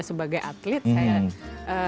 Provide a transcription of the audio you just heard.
sebagai atlet saya